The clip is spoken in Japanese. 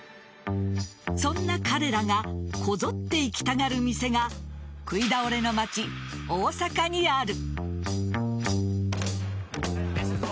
そんな彼らがこぞって行きたがる店が食い倒れの街・大阪にある。